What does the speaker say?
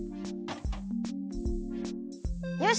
よし！